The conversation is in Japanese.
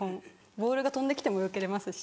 ボールが飛んで来てもよけれますし。